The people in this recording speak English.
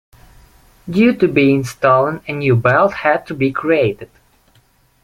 Due to being stolen a new belt had to be created.